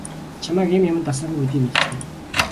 Чамайг ийм юманд дасаагүй гэдгийг мэдэж байна.